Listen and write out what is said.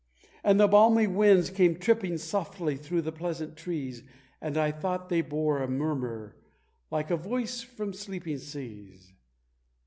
And the balmy winds came tripping softly through the pleasant trees, And I thought they bore a murmur like a voice from sleeping seas.